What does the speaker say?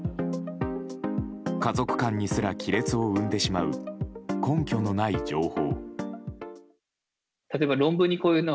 家族間にすら亀裂を生んでしまう根拠のない情報。